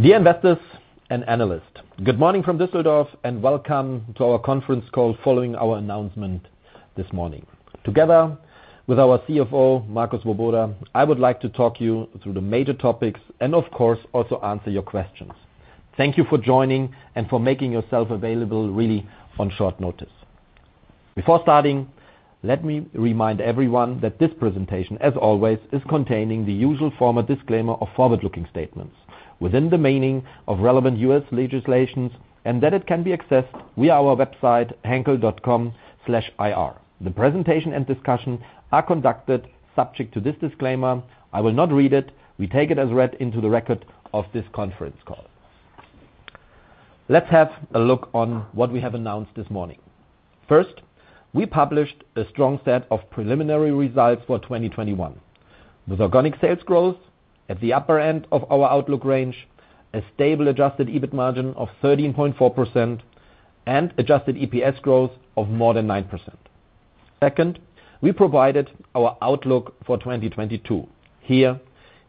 Dear investors and analysts, good morning from Düsseldorf and welcome to our conference call following our announcement this morning. Together with our CFO, Marco Swoboda, I would like to talk you through the major topics and of course, also answer your questions. Thank you for joining and for making yourself available really on short notice. Before starting, let me remind everyone that this presentation, as always, is containing the usual formal disclaimer of forward-looking statements within the meaning of relevant U.S. legislation and that it can be accessed via our website, henkel.com/ir. The presentation and discussion are conducted subject to this disclaimer. I will not read it. We take it as read into the record of this conference call. Let's have a look on what we have announced this morning. First, we published a strong set of preliminary results for 2021, with organic sales growth at the upper end of our outlook range, a stable adjusted EBIT margin of 13.4% and adjusted EPS growth of more than 9%. Second, we provided our outlook for 2022. Here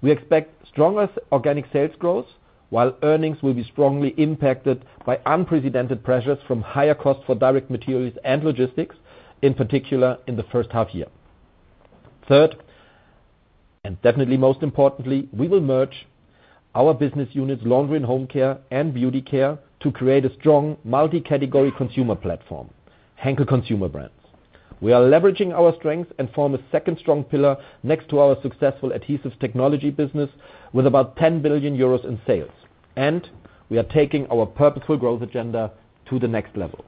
we expect stronger organic sales growth while earnings will be strongly impacted by unprecedented pressures from higher costs for direct materials and logistics, in particular in the first half year. Third, and definitely most importantly, we will merge our business units, Laundry & Home Care and Beauty Care to create a strong multi-category consumer platform, Henkel Consumer Brands. We are leveraging our strength and form a second strong pillar next to our successful adhesives technology business with about 10 billion euros in sales, and we are taking our Purposeful Growth agenda to the next level.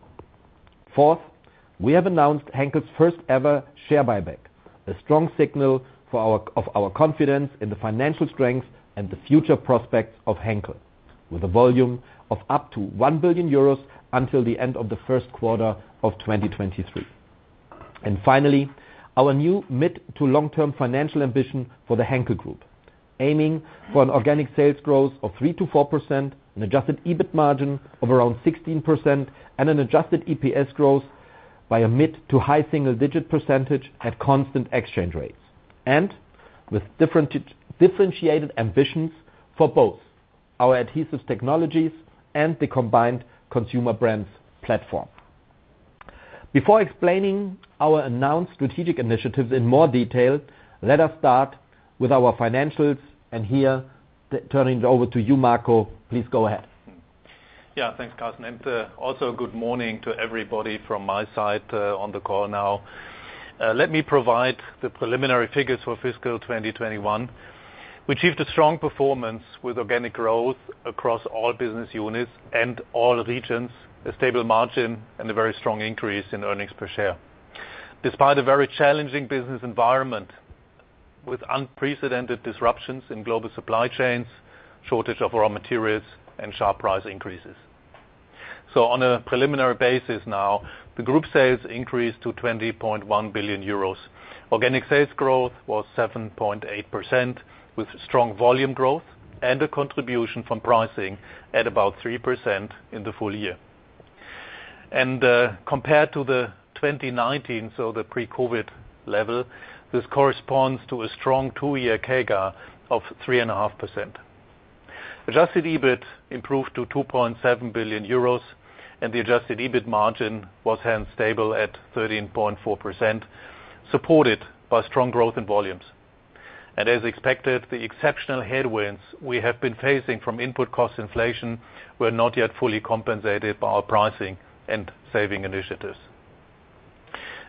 Fourth, we have announced Henkel's first ever share buyback, a strong signal of our confidence in the financial strength and the future prospects of Henkel with a volume of up to 1 billion euros until the end of the first quarter of 2023. Finally, our new mid- to long-term financial ambition for the Henkel Group, aiming for an organic sales growth of 3%-4%, an adjusted EBIT margin of around 16% and an adjusted EPS growth by a mid- to high-single-digit percentage at constant exchange rates and with differentiated ambitions for both our Adhesive Technologies and the combined Henkel Consumer Brands platform. Before explaining our announced strategic initiatives in more detail, let us start with our financials and here, turning it over to you, Marco. Please go ahead. Yeah. Thanks, Carsten. Also good morning to everybody from my side, on the call now. Let me provide the preliminary figures for fiscal 2021. We achieved a strong performance with organic growth across all business units and all regions, a stable margin and a very strong increase in earnings per share, despite a very challenging business environment with unprecedented disruptions in global supply chains, shortage of raw materials and sharp price increases. On a preliminary basis now, the group sales increased to 20.1 billion euros. Organic sales growth was 7.8%, with strong volume growth and a contribution from pricing at about 3% in the full year. Compared to 2019, so the pre-COVID level, this corresponds to a strong two-year CAGR of 3.5%. Adjusted EBIT improved to 2.7 billion euros and the adjusted EBIT margin was hence stable at 13.4%, supported by strong growth in volumes. As expected, the exceptional headwinds we have been facing from input cost inflation were not yet fully compensated by our pricing and saving initiatives.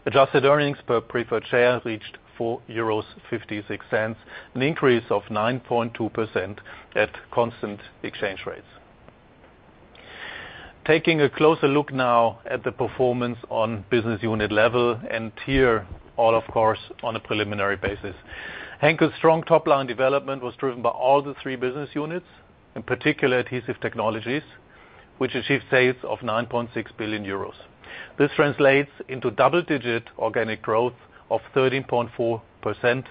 Adjusted earnings per preferred share reached 4.56 euros, an increase of 9.2% at constant exchange rates. Taking a closer look now at the performance on business unit level and here all of course on a preliminary basis. Henkel's strong top line development was driven by all the three business units, in particular Adhesive Technologies, which achieved sales of 9.6 billion euros. This translates into double-digit organic growth of 13.4%,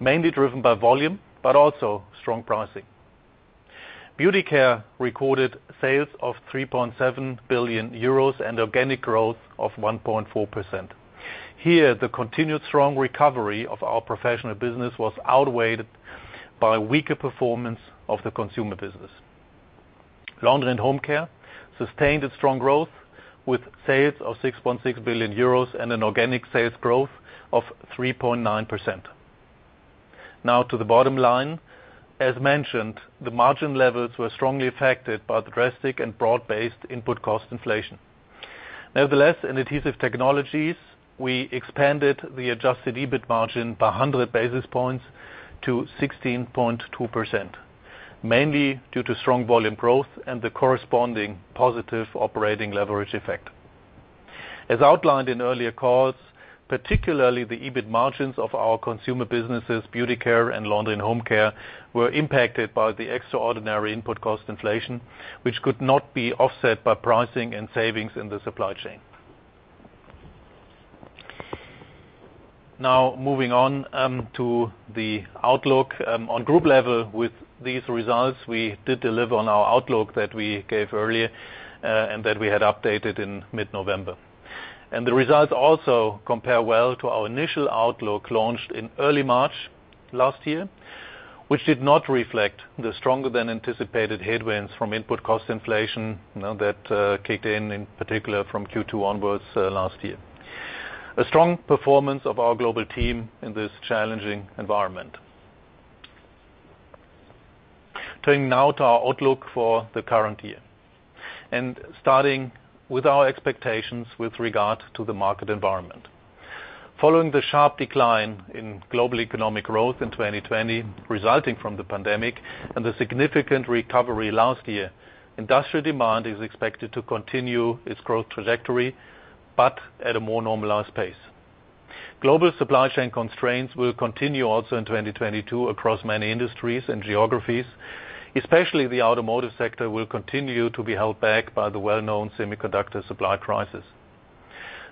mainly driven by volume, but also strong pricing. Beauty Care recorded sales of 3.7 billion euros and organic growth of 1.4%. Here, the continued strong recovery of our professional business was outweighed by weaker performance of the consumer business. Laundry & Home Care sustained its strong growth with sales of 6.6 billion euros and an organic sales growth of 3.9%. Now to the bottom line. As mentioned, the margin levels were strongly affected by the drastic and broad-based input cost inflation. Nevertheless, in Adhesive Technologies, we expanded the adjusted EBIT margin by 100 basis points to 16.2%, mainly due to strong volume growth and the corresponding positive operating leverage effect. As outlined in earlier calls, particularly the EBIT margins of our consumer businesses, Beauty Care and Laundry & Home Care, were impacted by the extraordinary input cost inflation, which could not be offset by pricing and savings in the supply chain. Now moving on to the outlook on group level with these results, we did deliver on our outlook that we gave earlier, and that we had updated in mid-November. The results also compare well to our initial outlook launched in early March last year, which did not reflect the stronger than anticipated headwinds from input cost inflation, you know, that kicked in particular from Q2 onwards last year. A strong performance of our global team in this challenging environment. Turning now to our outlook for the current year, starting with our expectations with regard to the market environment. Following the sharp decline in global economic growth in 2020, resulting from the pandemic, and the significant recovery last year, industrial demand is expected to continue its growth trajectory, but at a more normalized pace. Global supply chain constraints will continue also in 2022 across many industries and geographies, especially the automotive sector will continue to be held back by the well-known semiconductor supply crisis.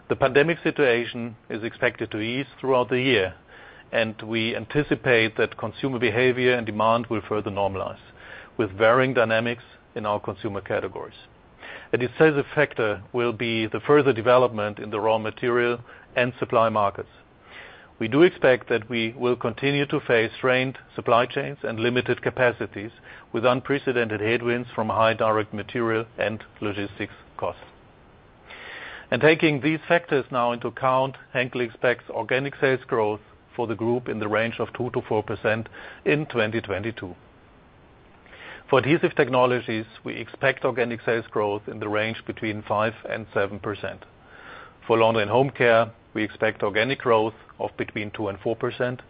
The pandemic situation is expected to ease throughout the year, and we anticipate that consumer behavior and demand will further normalize with varying dynamics in our consumer categories. A decisive factor will be the further development in the raw material and supply markets. We do expect that we will continue to face strained supply chains and limited capacities with unprecedented headwinds from high direct material and logistics costs. Taking these factors now into account, Henkel expects organic sales growth for the group in the range of 2%-4% in 2022. For Adhesive Technologies, we expect organic sales growth in the range between 5%-7%. For Laundry & Home Care, we expect organic growth of between 2%-4%.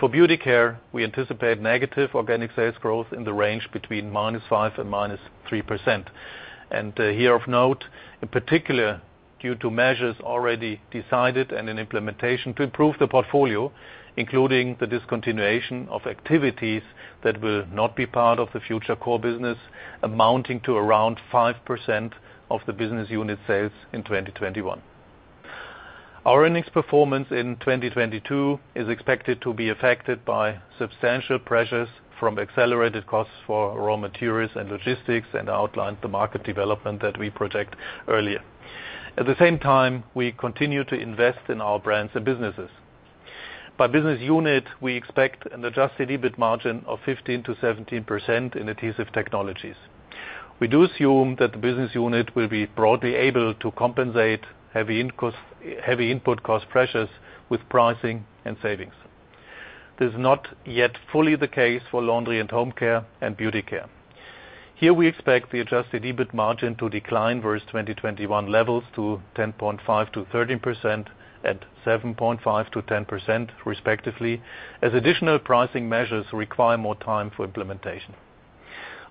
For Beauty Care, we anticipate negative organic sales growth in the range between -5% and -3%. Here of note, in particular, due to measures already decided and in implementation to improve the portfolio, including the discontinuation of activities that will not be part of the future core business, amounting to around 5% of the business unit sales in 2021. Our earnings performance in 2022 is expected to be affected by substantial pressures from accelerated costs for raw materials and logistics, as outlined the market development that we projected earlier. At the same time, we continue to invest in our brands and businesses. By business unit, we expect an adjusted EBIT margin of 15%-17% in Adhesive Technologies. We do assume that the business unit will be broadly able to compensate heavy input cost pressures with pricing and savings. This is not yet fully the case for Laundry & Home Care and Beauty Care. Here we expect the adjusted EBIT margin to decline versus 2021 levels to 10.5%-13% and 7.5%-10% respectively, as additional pricing measures require more time for implementation.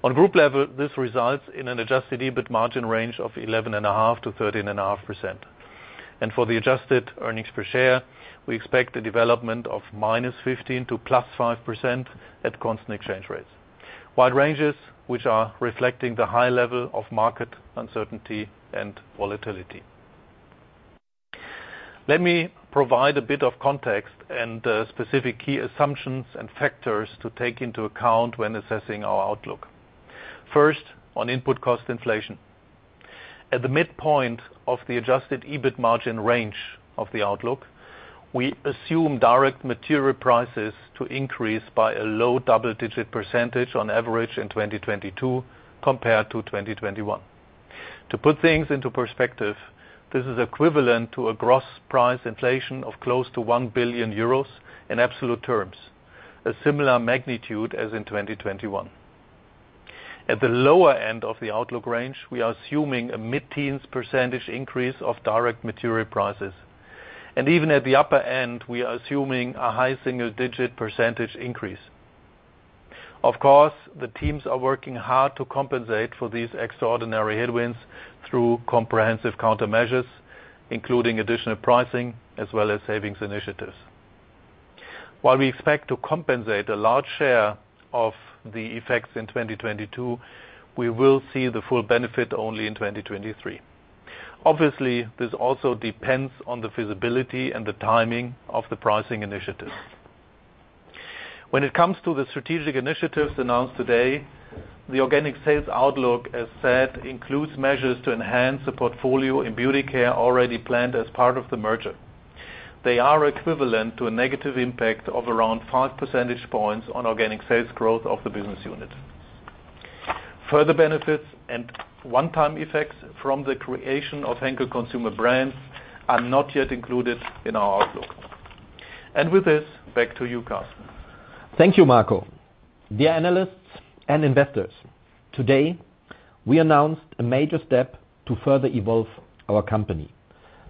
On group level, this results in an adjusted EBIT margin range of 11.5%-13.5%. For the adjusted earnings per share, we expect the development of -15% to +5% at constant exchange rates. Wide ranges which are reflecting the high level of market uncertainty and volatility. Let me provide a bit of context and specific key assumptions and factors to take into account when assessing our outlook. First, on input cost inflation. At the midpoint of the adjusted EBIT margin range of the outlook, we assume direct material prices to increase by a low double-digit percentage on average in 2022 compared to 2021. To put things into perspective, this is equivalent to a gross price inflation of close to 1 billion euros in absolute terms, a similar magnitude as in 2021. At the lower end of the outlook range, we are assuming a mid-teens percent increase of direct material prices. Even at the upper end, we are assuming a high single-digit percentage increase. Of course, the teams are working hard to compensate for these extraordinary headwinds through comprehensive countermeasures, including additional pricing as well as savings initiatives. While we expect to compensate a large share of the effects in 2022, we will see the full benefit only in 2023. Obviously, this also depends on the feasibility and the timing of the pricing initiatives. When it comes to the strategic initiatives announced today, the organic sales outlook, as said, includes measures to enhance the portfolio in Beauty Care already planned as part of the merger. They are equivalent to a negative impact of around 5 percentage points on organic sales growth of the business unit. Further benefits and one-time effects from the creation of Henkel Consumer Brands are not yet included in our outlook. With this, back to you, Carsten. Thank you, Marco. Dear analysts and investors, today, we announced a major step to further evolve our company.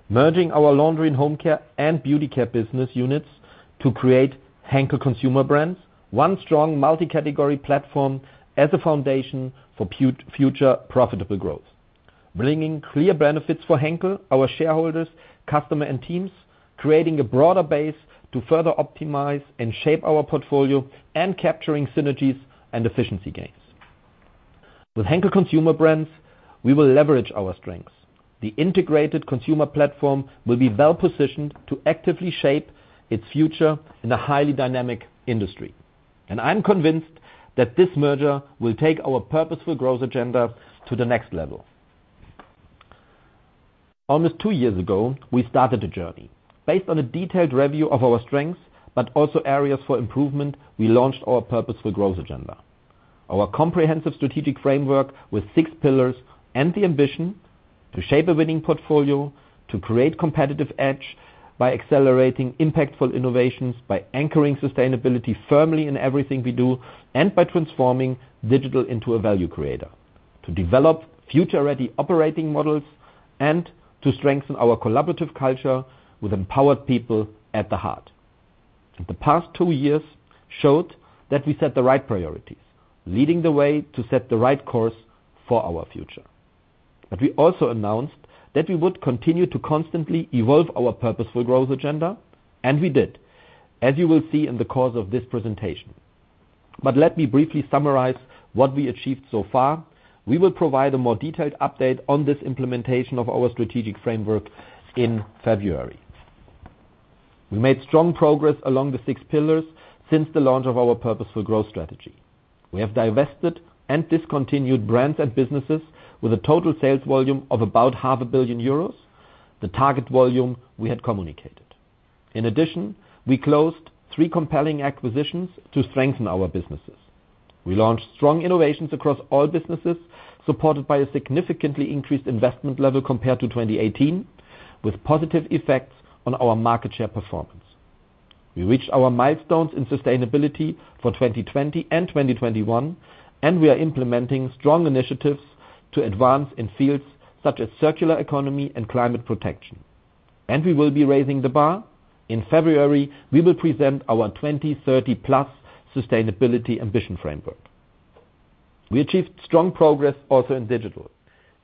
Merging our Laundry & Home Care and Beauty Care business units to create Henkel Consumer Brands, one strong multi-category platform as a foundation for future profitable growth, bringing clear benefits for Henkel, our shareholders, customer, and teams, creating a broader base to further optimize and shape our portfolio and capturing synergies and efficiency gains. With Henkel Consumer Brands, we will leverage our strengths. The integrated consumer platform will be well positioned to actively shape its future in a highly dynamic industry. I'm convinced that this merger will take our Purposeful Growth agenda to the next level. Almost two years ago, we started a journey. Based on a detailed review of our strengths, but also areas for improvement, we launched our Purposeful Growth agenda. Our comprehensive strategic framework with six pillars and the ambition to shape a winning portfolio, to create competitive edge by accelerating impactful innovations, by anchoring sustainability firmly in everything we do, and by transforming digital into a value creator, to develop future-ready operating models and to strengthen our collaborative culture with empowered people at the heart. The past two years showed that we set the right priorities, leading the way to set the right course for our future. We also announced that we would continue to constantly evolve our Purposeful Growth agenda, and we did, as you will see in the course of this presentation. Let me briefly summarize what we achieved so far. We will provide a more detailed update on this implementation of our strategic framework in February. We made strong progress along the six pillars since the launch of our Purposeful Growth strategy. We have divested and discontinued brands and businesses with a total sales volume of about half a billion euros, the target volume we had communicated. In addition, we closed three compelling acquisitions to strengthen our businesses. We launched strong innovations across all businesses, supported by a significantly increased investment level compared to 2018, with positive effects on our market share performance. We reached our milestones in sustainability for 2020 and 2021, and we are implementing strong initiatives to advance in fields such as circular economy and climate protection. We will be raising the bar. In February, we will present our 2030+ sustainability ambition framework. We achieved strong progress also in digital.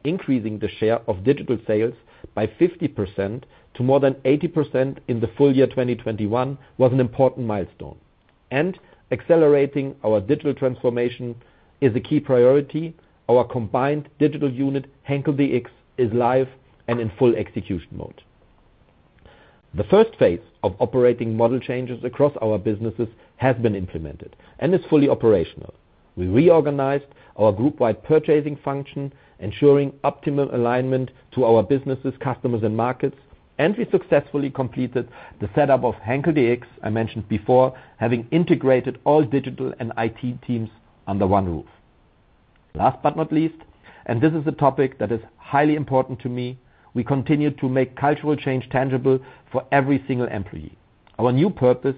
Increasing the share of digital sales by 50% to more than 80% in the full year 2021 was an important milestone. Accelerating our digital transformation is a key priority. Our combined digital unit, Henkel dx, is live and in full execution mode. The first phase of operating model changes across our businesses has been implemented and is fully operational. We reorganized our group-wide purchasing function, ensuring optimal alignment to our businesses, customers, and markets. We successfully completed the setup of Henkel dx, I mentioned before, having integrated all digital and IT teams under one roof. Last but not least, and this is a topic that is highly important to me, we continue to make cultural change tangible for every single employee. Our new purpose,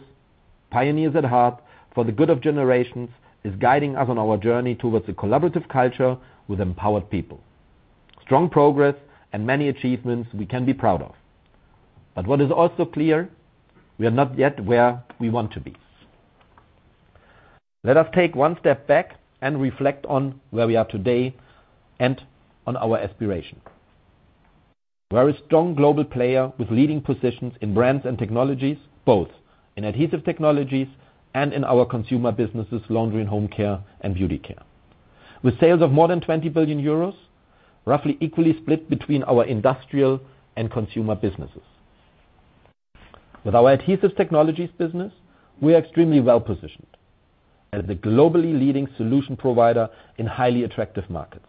pioneers at heart for the good of generations, is guiding us on our journey towards a collaborative culture with empowered people. Strong progress and many achievements we can be proud of. What is also clear, we are not yet where we want to be. Let us take one step back and reflect on where we are today and on our aspiration. We're a strong global player with leading positions in brands and technologies, both in Adhesive Technologies and in our consumer businesses, Laundry & Home Care, and Beauty Care. With sales of more than 20 billion euros, roughly equally split between our industrial and consumer businesses. With our Adhesive Technologies business, we are extremely well-positioned as the globally leading solution provider in highly attractive markets.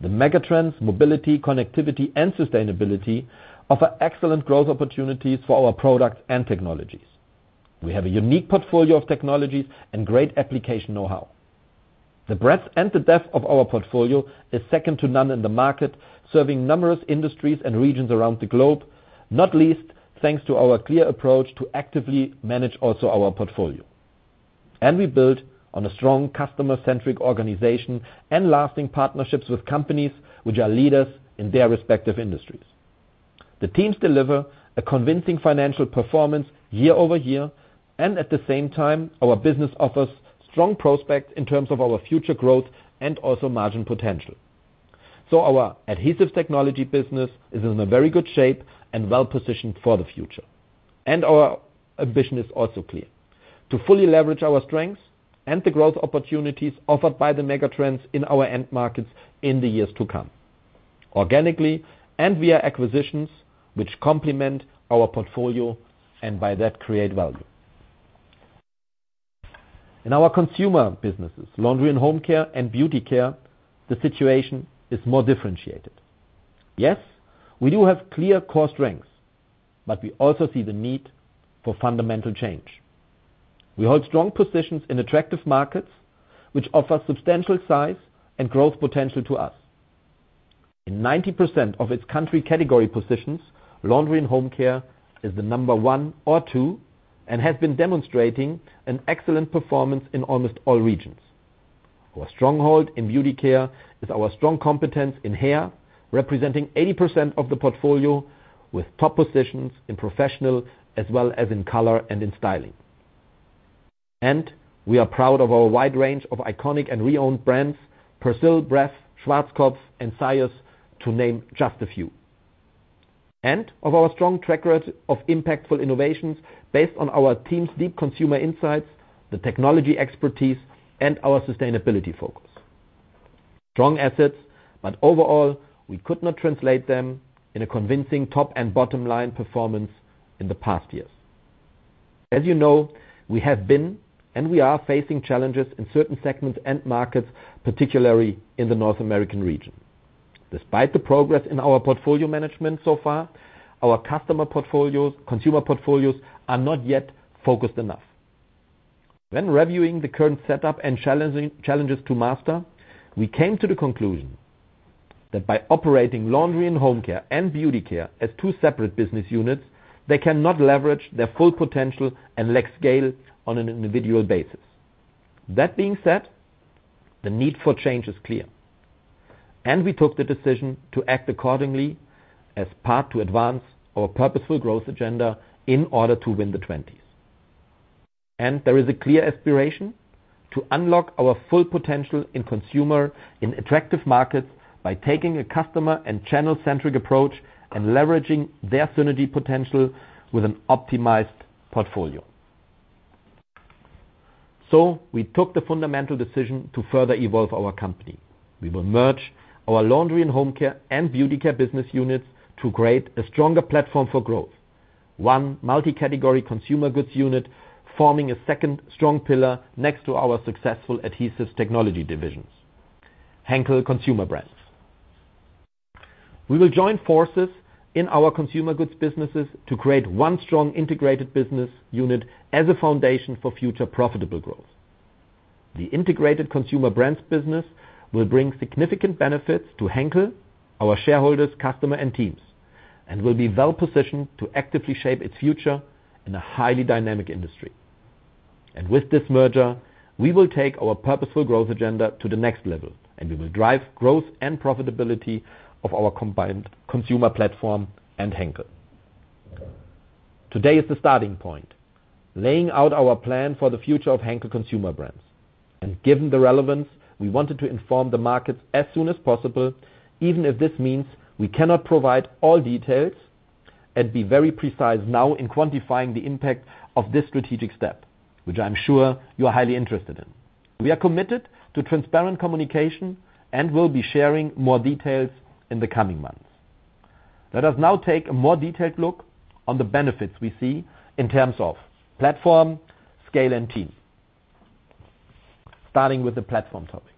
The megatrends, mobility, connectivity, and sustainability offer excellent growth opportunities for our products and technologies. We have a unique portfolio of technologies and great application know-how. The breadth and the depth of our portfolio is second to none in the market, serving numerous industries and regions around the globe, not least thanks to our clear approach to actively manage also our portfolio. We build on a strong customer-centric organization and lasting partnerships with companies which are leaders in their respective industries. The teams deliver a convincing financial performance year-over-year, and at the same time, our business offers strong prospects in terms of our future growth and also margin potential. Our Adhesive Technologies business is in a very good shape and well-positioned for the future. Our ambition is also clear. To fully leverage our strengths and the growth opportunities offered by the megatrends in our end markets in the years to come, organically and via acquisitions which complement our portfolio and by that create value. In our consumer businesses, Laundry & Home Care and Beauty Care, the situation is more differentiated. Yes, we do have clear core strengths, but we also see the need for fundamental change. We hold strong positions in attractive markets which offer substantial size and growth potential to us. In 90% of its country category positions, Laundry & Home Care is the number one or two and has been demonstrating an excellent performance in almost all regions. Our stronghold in Beauty Care is our strong competence in hair, representing 80% of the portfolio with top positions in professional as well as in color and in styling. We are proud of our wide range of iconic and renowned brands, Persil, Bref, Schwarzkopf, and Syoss, to name just a few, and of our strong track record of impactful innovations based on our team's deep consumer insights, the technology expertise, and our sustainability focus. Strong assets, but overall, we could not translate them in a convincing top- and bottom-line performance in the past years. As you know, we have been, and we are facing challenges in certain segments and markets, particularly in the North American region. Despite the progress in our portfolio management so far, our customer portfolios, consumer portfolios are not yet focused enough. When reviewing the current setup and challenges to master, we came to the conclusion that by operating Laundry & Home Care and Beauty Care as two separate business units, they cannot leverage their full potential and lack scale on an individual basis. That being said, the need for change is clear, and we took the decision to act accordingly as part to advance our Purposeful Growth agenda in order to win the '20s. There is a clear aspiration to unlock our full potential in consumer in attractive markets by taking a customer and channel-centric approach and leveraging their synergy potential with an optimized portfolio. We took the fundamental decision to further evolve our company. We will merge our Laundry & Home Care and Beauty Care business units to create a stronger platform for growth. One multi-category consumer goods unit, forming a second strong pillar next to our successful Adhesive Technologies division, Henkel Consumer Brands. We will join forces in our consumer goods businesses to create one strong integrated business unit as a foundation for future profitable growth. The integrated consumer brands business will bring significant benefits to Henkel, our shareholders, customer, and teams, and will be well-positioned to actively shape its future in a highly dynamic industry. With this merger, we will take our Purposeful Growth agenda to the next level, and we will drive growth and profitability of our combined consumer platform and Henkel. Today is the starting point, laying out our plan for the future of Henkel Consumer Brands. Given the relevance, we wanted to inform the markets as soon as possible, even if this means we cannot provide all details and be very precise now in quantifying the impact of this strategic step, which I'm sure you are highly interested in. We are committed to transparent communication and will be sharing more details in the coming months. Let us now take a more detailed look on the benefits we see in terms of platform, scale, and team. Starting with the platform topic.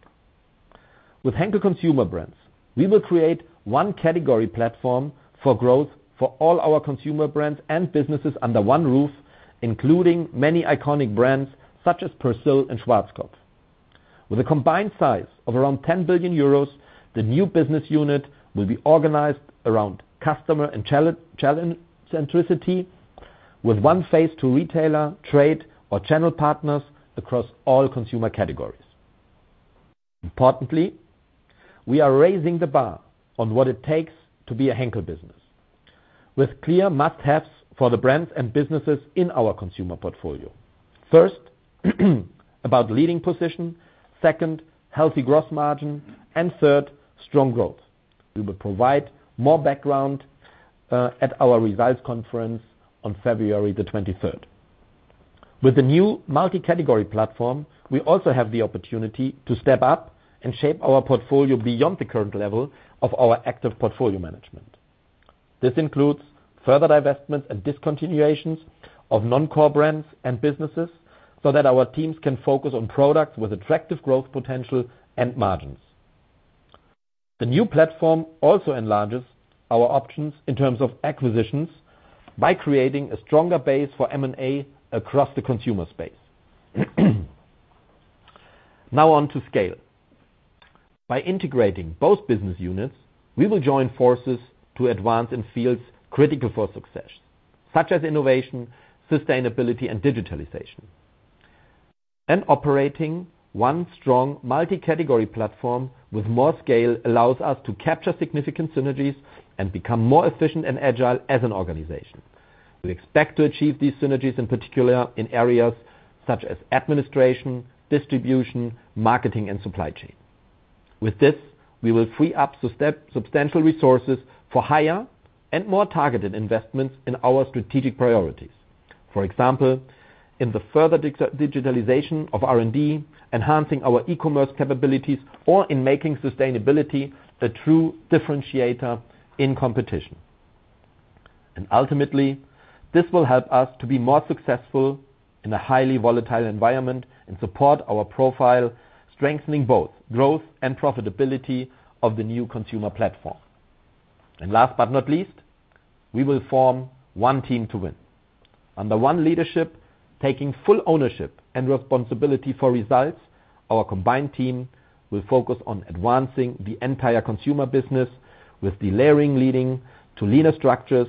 With Henkel Consumer Brands, we will create one category platform for growth for all our consumer brands and businesses under one roof, including many iconic brands such as Persil and Schwarzkopf. With a combined size of around 10 billion euros, the new business unit will be organized around customer and channel-centricity with one face to retailer, trade, or channel partners across all consumer categories. Importantly, we are raising the bar on what it takes to be a Henkel business. With clear must-haves for the brands and businesses in our consumer portfolio. First, about leading position. Second, healthy gross margin. Third, strong growth. We will provide more background at our results conference on February 23. With the new multi-category platform, we also have the opportunity to step up and shape our portfolio beyond the current level of our active portfolio management. This includes further divestments and discontinuations of non-core brands and businesses so that our teams can focus on products with attractive growth potential and margins. The new platform also enlarges our options in terms of acquisitions by creating a stronger base for M&A across the consumer space. Now on to scale. By integrating both business units, we will join forces to advance in fields critical for success, such as innovation, sustainability, and digitalization. Operating one strong multi-category platform with more scale allows us to capture significant synergies and become more efficient and agile as an organization. We expect to achieve these synergies in particular in areas such as administration, distribution, marketing, and supply chain. With this, we will free up substantial resources for higher and more targeted investments in our strategic priorities. For example, in the further digitalization of R&D, enhancing our e-commerce capabilities or in making sustainability a true differentiator in competition. Ultimately, this will help us to be more successful in a highly volatile environment and support our profile, strengthening both growth and profitability of the new consumer platform. Last but not least, we will form one team to win. Under one leadership, taking full ownership and responsibility for results, our combined team will focus on advancing the entire consumer business with delayering leading to leaner structures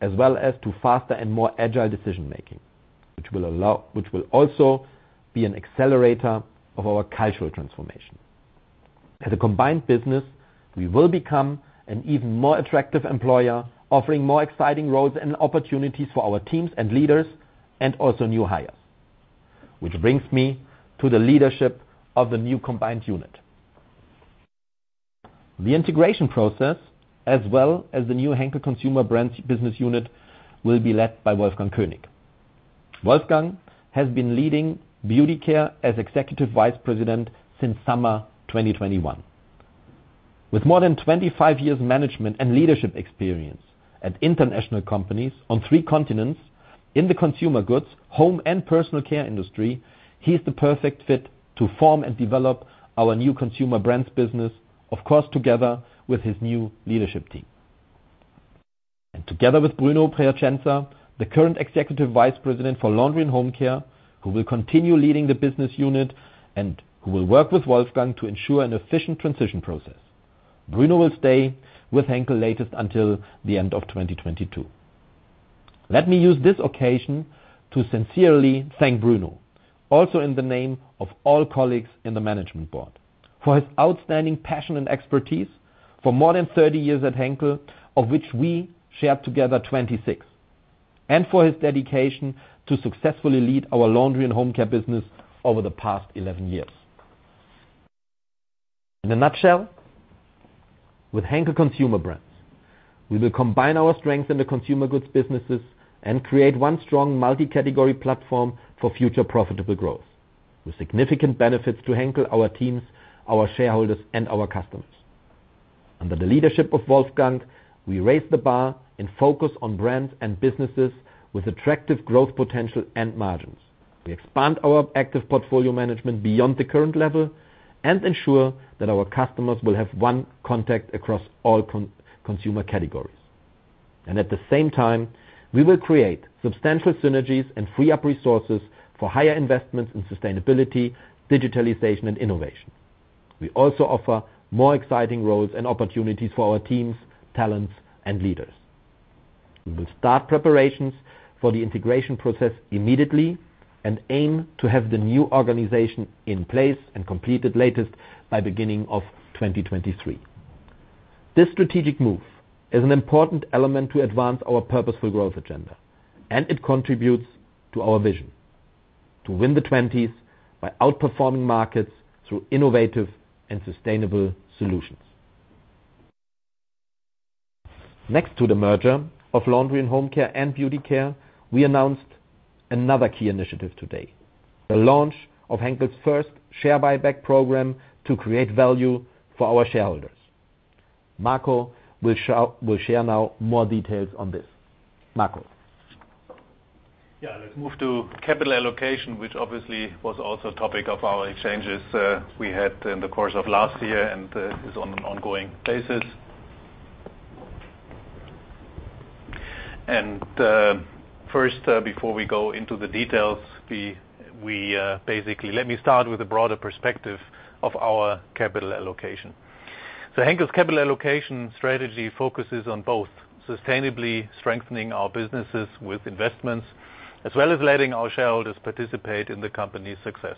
as well as to faster and more agile decision-making, which will also be an accelerator of our cultural transformation. As a combined business, we will become an even more attractive employer, offering more exciting roles and opportunities for our teams and leaders and also new hires. Which brings me to the leadership of the new combined unit. The integration process, as well as the new Henkel Consumer Brands business unit, will be led by Wolfgang König. Wolfgang has been leading Beauty Care as Executive Vice President since summer 2021. With more than 25 years management and leadership experience at international companies on three continents in the consumer goods, home and personal care industry, he's the perfect fit to form and develop our new consumer brands business, of course, together with his new leadership team. Together with Bruno Piacenza, the current Executive Vice President for Laundry & Home Care, who will continue leading the business unit and who will work with Wolfgang to ensure an efficient transition process. Bruno will stay with Henkel at the latest until the end of 2022. Let me use this occasion to sincerely thank Bruno, also in the name of all colleagues in the Management Board, for his outstanding passion and expertise for more than 30 years at Henkel, of which we shared together 26, and for his dedication to successfully lead our laundry and home care business over the past 11 years. In a nutshell, with Henkel Consumer Brands, we will combine our strengths in the consumer goods businesses and create one strong multi-category platform for future profitable growth with significant benefits to Henkel, our teams, our shareholders and our customers. Under the leadership of Wolfgang, we raise the bar and focus on brands and businesses with attractive growth potential and margins. We expand our active portfolio management beyond the current level and ensure that our customers will have one contact across all consumer categories. At the same time, we will create substantial synergies and free up resources for higher investments in sustainability, digitalization and innovation. We also offer more exciting roles and opportunities for our teams, talents and leaders. We will start preparations for the integration process immediately and aim to have the new organization in place and completed latest by beginning of 2023. This strategic move is an important element to advance our Purposeful Growth agenda, and it contributes to our vision to win the 20s by outperforming markets through innovative and sustainable solutions. Next to the merger of Laundry & Home Care and Beauty Care, we announced another key initiative today, the launch of Henkel's first share buyback program to create value for our shareholders. Marco will share now more details on this. Marco. Yeah. Let's move to capital allocation, which obviously was also a topic of our exchanges, we had in the course of last year and, is on an ongoing basis. First, before we go into the details, we basically let me start with a broader perspective of our capital allocation. Henkel's capital allocation strategy focuses on both sustainably strengthening our businesses with investments, as well as letting our shareholders participate in the company's success.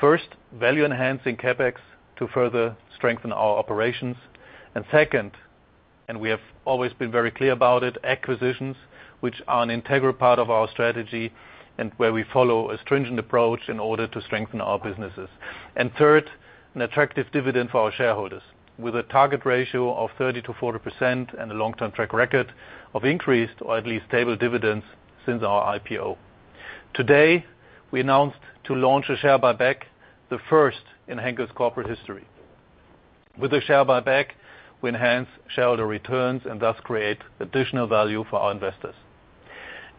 First, value enhancing CapEx to further strengthen our operations. Second, and we have always been very clear about it, acquisitions which are an integral part of our strategy and where we follow a stringent approach in order to strengthen our businesses. Third, an attractive dividend for our shareholders with a target ratio of 30%-40% and a long-term track record of increased or at least stable dividends since our IPO. Today, we announced to launch a share buyback, the first in Henkel's corporate history. With the share buyback, we enhance shareholder returns and thus create additional value for our investors.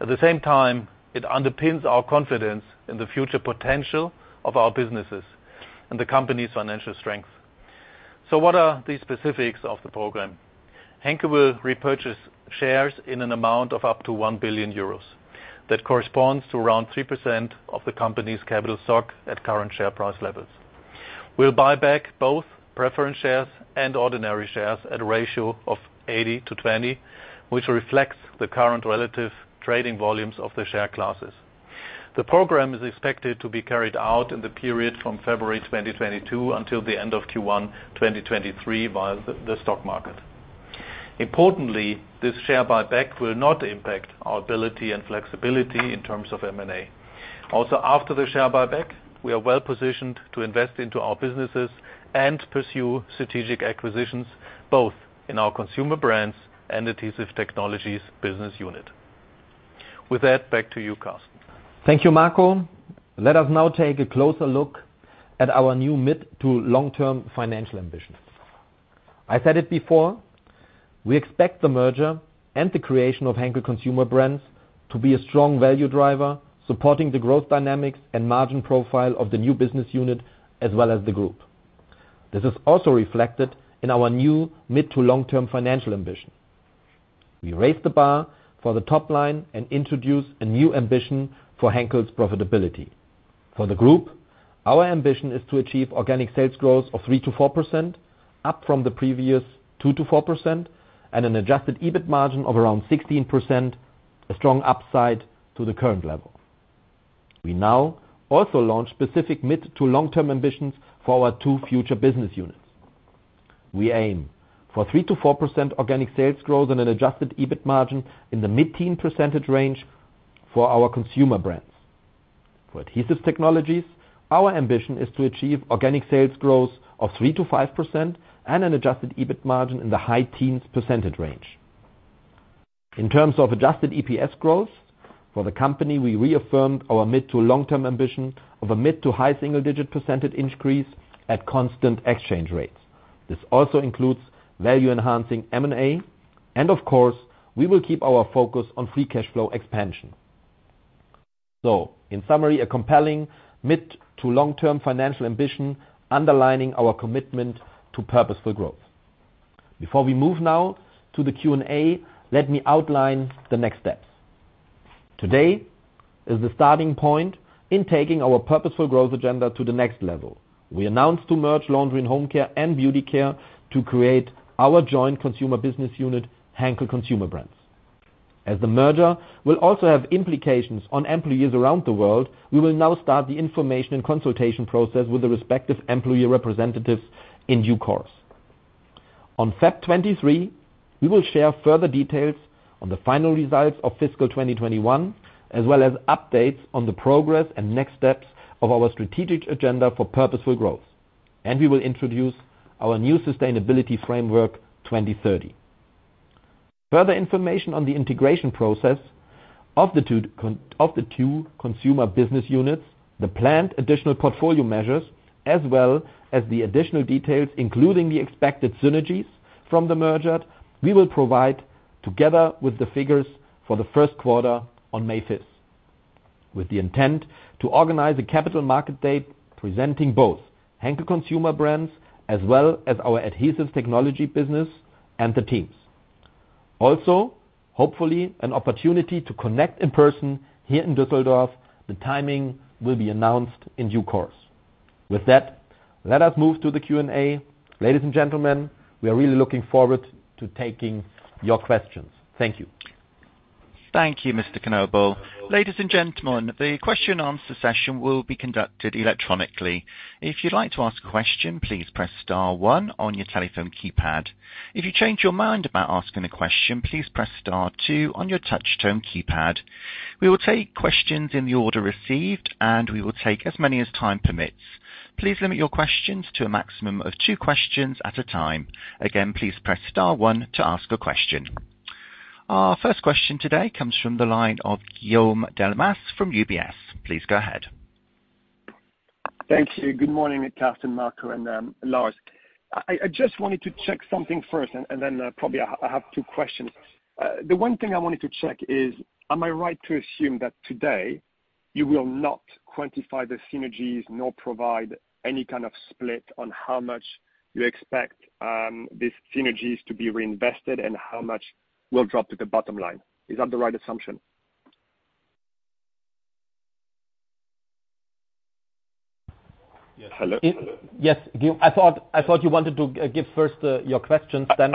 At the same time, it underpins our confidence in the future potential of our businesses and the company's financial strength. What are the specifics of the program? Henkel will repurchase shares in an amount of up to 1 billion euros. That corresponds to around 3% of the company's capital stock at current share price levels. We'll buy back both preference shares and ordinary shares at a ratio of 80/20, which reflects the current relative trading volumes of the share classes. The program is expected to be carried out in the period from February 2022 until the end of Q1 2023 via the stock market. Importantly, this share buyback will not impact our ability and flexibility in terms of M&A. Also, after the share buyback, we are well positioned to invest into our businesses and pursue strategic acquisitions both in our Consumer Brands and Adhesive Technologies business unit. With that, back to you, Carsten. Thank you, Marco. Let us now take a closer look at our new mid- to long-term financial ambitions. I said it before, we expect the merger and the creation of Henkel Consumer Brands to be a strong value driver, supporting the growth dynamics and margin profile of the new business unit as well as the group. This is also reflected in our new mid- to long-term financial ambition. We raise the bar for the top line and introduce a new ambition for Henkel's profitability. For the group, our ambition is to achieve organic sales growth of 3%-4% up from the previous 2%-4%, and an adjusted EBIT margin of around 16%, a strong upside to the current level. We now also launch specific mid- to long-term ambitions for our two future business units. We aim for 3%-4% organic sales growth and an adjusted EBIT margin in the mid-teens percentage range for our Consumer Brands. For Adhesive Technologies, our ambition is to achieve organic sales growth of 3%-5% and an adjusted EBIT margin in the high-teens percentage range. In terms of adjusted EPS growth for the company, we reaffirmed our mid- to long-term ambition of a mid- to high single-digit percentage increase at constant exchange rates. This also includes value-enhancing M&A, and of course, we will keep our focus on free cash flow expansion. In summary, a compelling mid- to long-term financial ambition underlining our commitment to Purposeful Growth. Before we move now to the Q&A, let me outline the next steps. Today is the starting point in taking our Purposeful Growth agenda to the next level. We announced to merge Laundry & Home Care and Beauty Care to create our joint consumer business unit, Henkel Consumer Brands. As the merger will also have implications on employees around the world, we will now start the information and consultation process with the respective employee representatives in due course. On February 23, we will share further details on the final results of fiscal 2021, as well as updates on the progress and next steps of our strategic agenda for Purposeful Growth. We will introduce our new sustainability framework, 2030. Further information on the integration process of the two consumer business units, the planned additional portfolio measures, as well as the additional details, including the expected synergies from the merger, we will provide together with the figures for the first quarter on May 5. With the intent to organize a capital markets day presenting both Henkel Consumer Brands as well as our Adhesive Technologies business and the teams. Also, hopefully an opportunity to connect in person here in Düsseldorf. The timing will be announced in due course. With that, let us move to the Q&A. Ladies and gentlemen, we are really looking forward to taking your questions. Thank you. Thank you, Mr. Knobel. Ladies and gentlemen, the question-and-answer session will be conducted electronically. If you'd like to ask a question, please press star one on your telephone keypad. If you change your mind about asking a question, please press star two on your touchtone keypad. We will take questions in the order received, and we will take as many as time permits. Please limit your questions to a maximum of two questions at a time. ``````Again, please press star one to ask a question. Our first question today comes from the line of Guillaume Delmas from UBS. Please go ahead. Thank you. Good morning, Carsten Knobel and Marco Swoboda and Lars. I just wanted to check something first and then probably I have two questions. The one thing I wanted to check is, am I right to assume that today you will not quantify the synergies nor provide any kind of split on how much you expect these synergies to be reinvested and how much will drop to the bottom line? Is that the right assumption? I thought you wanted to give first your questions then.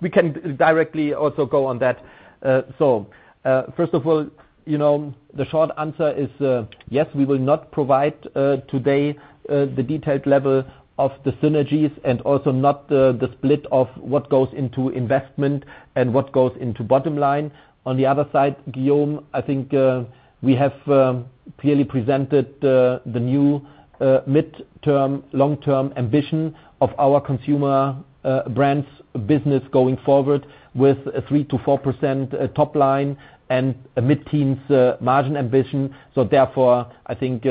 We can directly also go on that. First of all, you know, the short answer is yes, we will not provide today the detailed level of the synergies and also not the split of what goes into investment and what goes into bottom line. On the other side, Guillaume, I think we have clearly presented the new mid-term long-term ambition of our consumer brands business going forward with a 3%-4% top line and a mid-teens margin ambition. Therefore, I think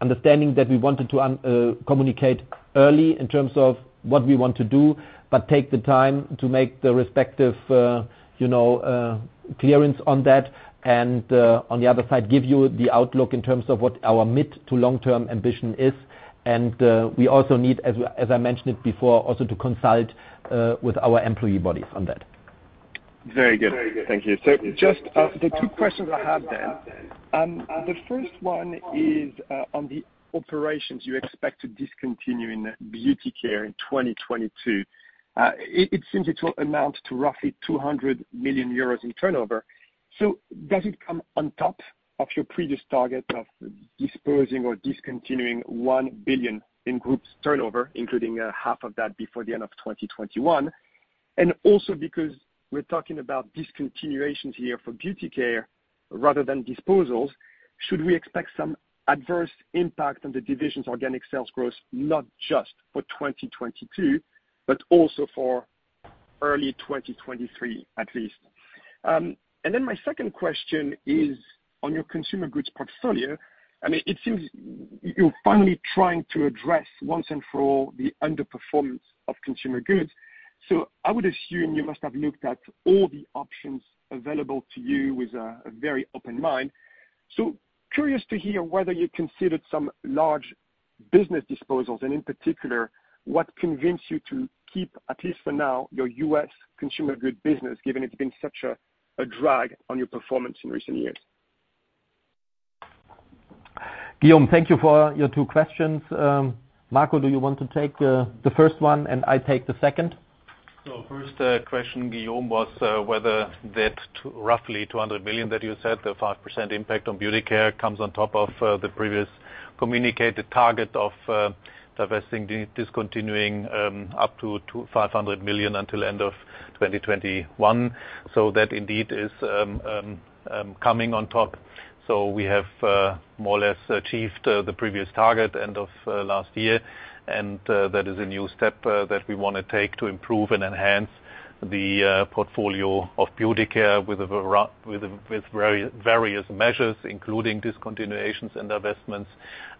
understanding that we wanted to communicate early in terms of what we want to do, but take the time to make the respective clearance on that. On the other side, give you the outlook in terms of what our mid to long-term ambition is. We also need, as I mentioned it before, also to consult with our employee bodies on that. Very good. Thank you. Just the two questions I have then. The first one is on the operations you expect to discontinue in Beauty Care in 2022. It seems it will amount to roughly 200 million euros in turnover. Does it come on top of your previous target of disposing or discontinuing 1 billion in group's turnover, including half of that before the end of 2021? Because we're talking about discontinuations here for Beauty Care rather than disposals, should we expect some adverse impact on the division's organic sales growth, not just for 2022, but also for early 2023 at least? My second question is on your consumer goods portfolio. I mean, it seems you're finally trying to address once and for all the underperformance of consumer goods. I would assume you must have looked at all the options available to you with a very open mind. Curious to hear whether you considered some large business disposals, and in particular, what convinced you to keep, at least for now, your U.S. consumer goods business, given it's been such a drag on your performance in recent years. Guillaume, thank you for your two questions. Marco, do you want to take the first one and I take the second? First question, Guillaume, was whether that roughly 200 million that you said, the 5% impact on Beauty Care comes on top of the previous communicated target of discontinuing up to 500 million until end of 2021. That indeed is coming on top. We have more or less achieved the previous target end of last year. That is a new step that we wanna take to improve and enhance the portfolio of Beauty Care with various measures, including discontinuations and divestments,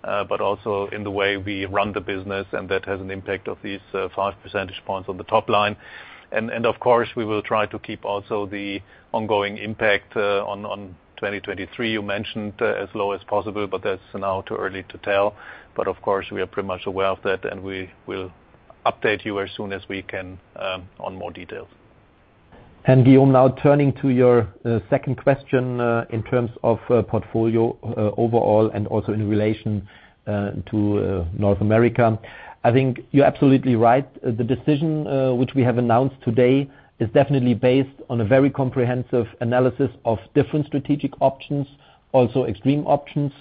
but also in the way we run the business, and that has an impact of these 5 percentage points on the top line. Of course, we will try to keep also the ongoing impact on 2023, you mentioned, as low as possible, but that's now too early to tell. Of course, we are pretty much aware of that, and we will update you as soon as we can on more details. Guillaume, now turning to your second question, in terms of portfolio overall and also in relation to North America. I think you're absolutely right. The decision which we have announced today is definitely based on a very comprehensive analysis of different strategic options, also extreme options.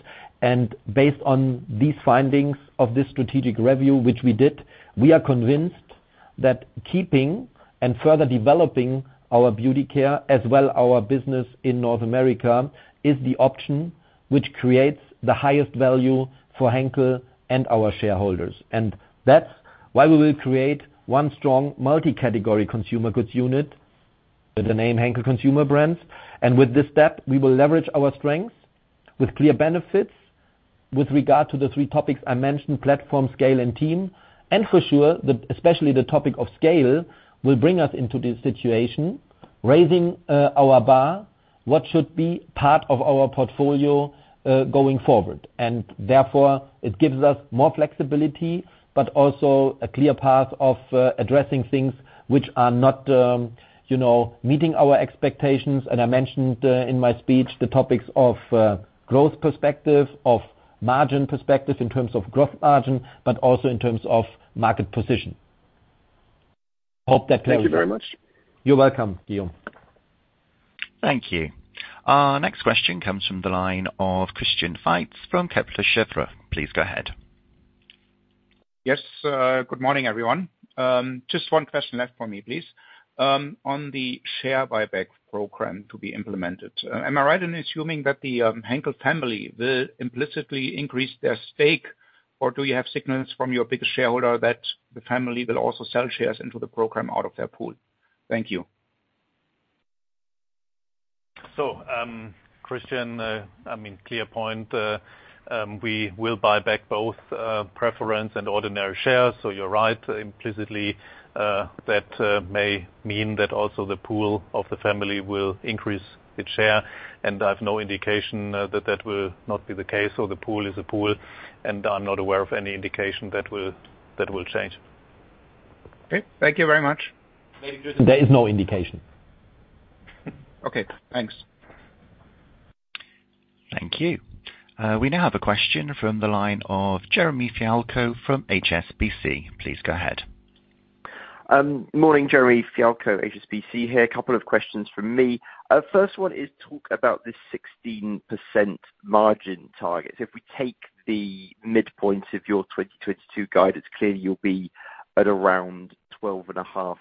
Based on these findings of this strategic review, which we did, we are convinced that keeping and further developing our Beauty Care as well as our business in North America is the option which creates the highest value for Henkel and our shareholders. That's why we will create one strong multi-category consumer goods unit with the name Henkel Consumer Brands. With this step, we will leverage our strengths with clear benefits with regard to the three topics I mentioned, platform, scale, and team. For sure, especially the topic of scale, will bring us into this situation, raising our bar, what should be part of our portfolio, going forward. Therefore, it gives us more flexibility, but also a clear path of addressing things which are not, you know, meeting our expectations. I mentioned in my speech the topics of growth perspective, of margin perspective in terms of growth margin, but also in terms of market position. Hope that clears it. Thank you very much. You're welcome, Guillaume. Thank you. Our next question comes from the line of Christian Faitz from Kepler Cheuvreux. Please go ahead. Yes, good morning, everyone. Just one question left for me, please. On the share buyback program to be implemented, am I right in assuming that the Henkel family will implicitly increase their stake? Or do you have signals from your biggest shareholder that the family will also sell shares into the program out of their pool? Thank you. Christian, I mean, clear point. We will buy back both preference and ordinary shares. You're right, implicitly, that may mean that also the pool of the family will increase its share. I have no indication that that will not be the case. The pool is a pool, and I'm not aware of any indication that will change. Okay. Thank you very much. There is no indication. Okay, thanks. Thank you. We now have a question from the line of Jeremy Fialko from HSBC. Please go ahead. Morning, Jeremy Fialko, HSBC here. A couple of questions from me. First one is talk about this 16% margin target. If we take the midpoint of your 2022 guidance, clearly you'll be at around 12.5%.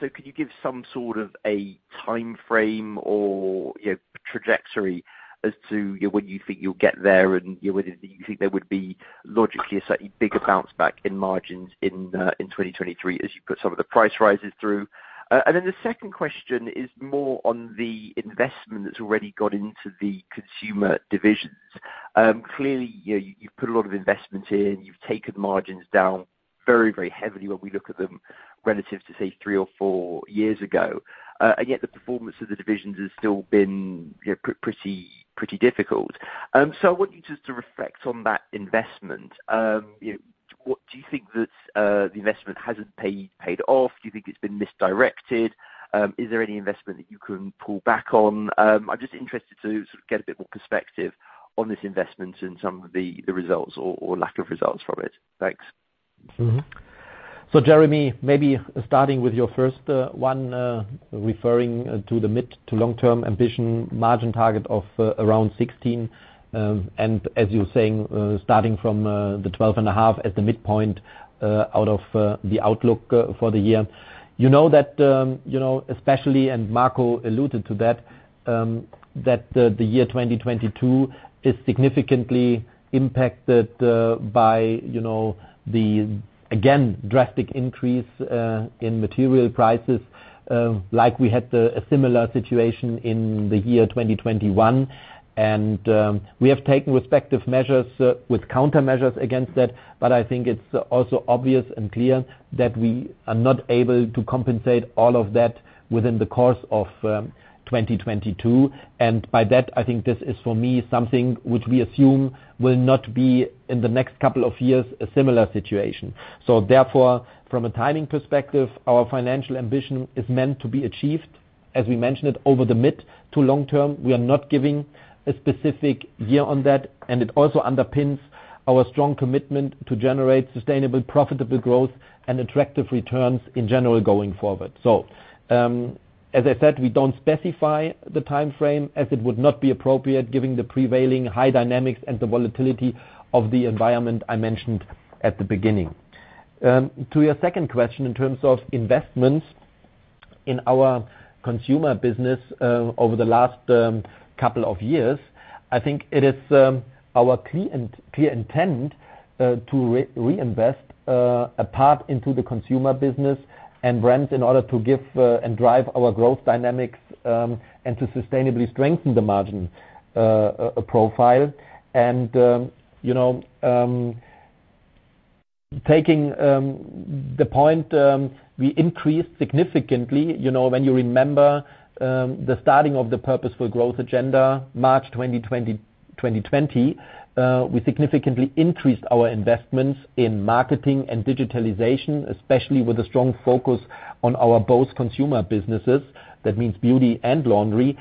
Could you give some sort of a timeframe or, you know, trajectory as to when you think you'll get there, and, you know, whether you think there would be logically a slightly bigger bounce back in margins in 2023 as you put some of the price rises through? Then the second question is more on the investment that's already gone into the consumer divisions. Clearly, you know, you've put a lot of investment in, you've taken margins down very, very heavily when we look at them relative to, say, three or four years ago. Yet the performance of the divisions has still been, you know, pretty difficult. I want you just to reflect on that investment. You know, what do you think that the investment hasn't paid off? Do you think it's been misdirected? Is there any investment that you can pull back on? I'm just interested to sort of get a bit more perspective on this investment and some of the results or lack of results from it. Thanks. Jeremy, maybe starting with your first one, referring to the mid- to long-term ambition margin target of around 16%. As you're saying, starting from the 12.5% as the midpoint out of the outlook for the year. You know that, you know, especially, and Marco alluded to that the year 2022 is significantly impacted by, you know, the again drastic increase in material prices, like we had a similar situation in the year 2021. We have taken respective measures with countermeasures against that, but I think it's also obvious and clear that we are not able to compensate all of that within the course of 2022. By that, I think this is for me, something which we assume will not be in the next couple of years a similar situation. Therefore, from a timing perspective, our financial ambition is meant to be achieved. As we mentioned it over the mid to long term, we are not giving a specific year on that, and it also underpins our strong commitment to generate sustainable, profitable growth and attractive returns in general going forward. As I said, we don't specify the time frame as it would not be appropriate giving the prevailing high dynamics and the volatility of the environment I mentioned at the beginning. To your second question, in terms of investments in our consumer business, over the last couple of years, I think it is our clear intent to reinvest a part into the consumer business and brands in order to give and drive our growth dynamics, and to sustainably strengthen the margin profile. You know, taking the point, we increased significantly, you know, when you remember the starting of the Purposeful Growth agenda, March 2020, we significantly increased our investments in marketing and digitalization, especially with a strong focus on our both consumer businesses. That means beauty and laundry.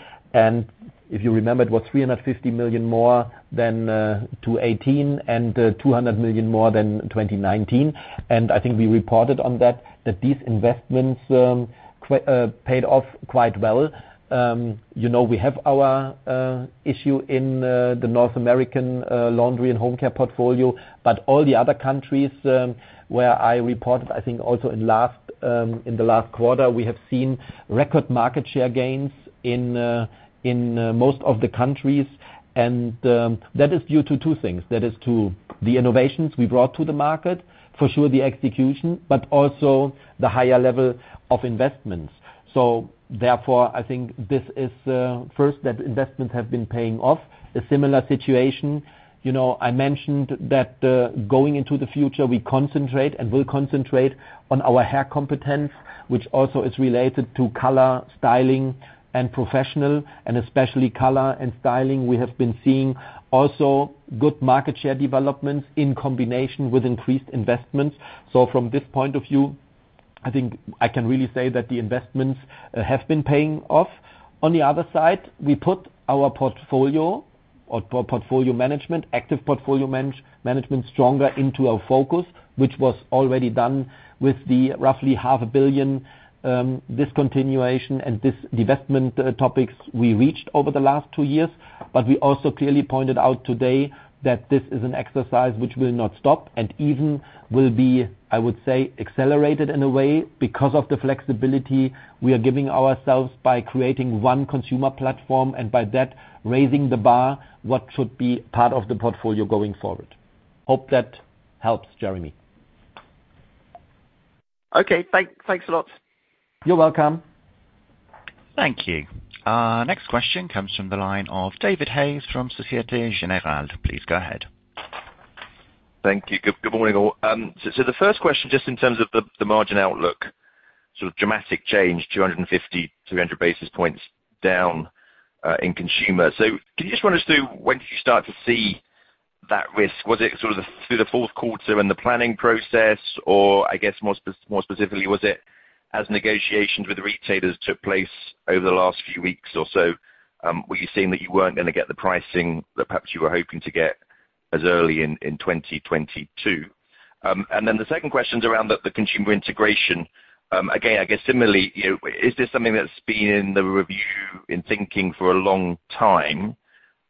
If you remember, it was 350 million more than 2018 and 200 million more than 2019. I think we reported on that these investments paid off quite well. You know, we have our issue in the North American Laundry & Home Care portfolio. But all the other countries where I reported, I think also in the last quarter, we have seen record market share gains in most of the countries. That is due to two things. That is to the innovations we brought to the market, for sure, the execution, but also the higher level of investments. Therefore, I think this is first that investments have been paying off. A similar situation, you know, I mentioned that, going into the future, we will concentrate on our hair competence, which also is related to color, styling and professional, and especially color and styling. We have been seeing also good market share developments in combination with increased investments. From this point of view, I think I can really say that the investments have been paying off. On the other side, we put our active portfolio management stronger into our focus, which was already done with the roughly EUR half a billion discontinuation and divestment topics we reached over the last two years. We also clearly pointed out today that this is an exercise which will not stop and even will be, I would say, accelerated in a way because of the flexibility we are giving ourselves by creating one consumer platform and by that, raising the bar, what should be part of the portfolio going forward. Hope that helps, Jeremy. Okay, thanks a lot. You're welcome. Thank you. Our next question comes from the line of David Hayes from Société Générale. Please go ahead. Thank you. Good morning, all. The first question, just in terms of the margin outlook, sort of dramatic change, 250 basis points-300 basis points down in consumer. Can you just run us through when did you start to see that risk? Was it sort of through the fourth quarter and the planning process, or I guess more specifically, was it as negotiations with retailers took place over the last few weeks, were you seeing that you weren't gonna get the pricing that perhaps you were hoping to get as early in 2022? The second question is around the consumer integration. Again, I guess similarly, you know, is this something that's been in the review in thinking for a long time?